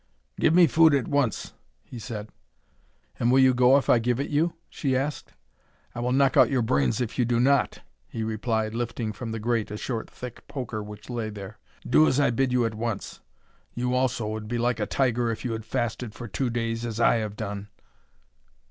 "Give me food at once," he said. "And will you go if I give it you?" she asked. "I will knock out your brains if you do not," he replied, lifting from the grate a short, thick poker which lay there. "Do as I bid you at once. You also would be like a tiger if you had fasted for two days, as I have done."